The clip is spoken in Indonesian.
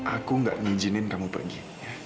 aku gak ngizinin kamu pergi